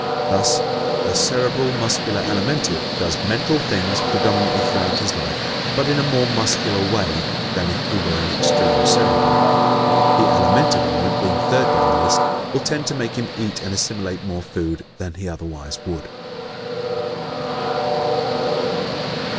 Thus, a Cerebral Muscular Alimentive does MENTAL things predominantly throughout his life, but in a more MUSCULAR way than if he were an extreme Cerebral. The Alimentive element, being third down the list, will tend to make him eat and assimilate more food than he otherwise would.